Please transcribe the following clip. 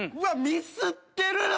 ミスってるよ！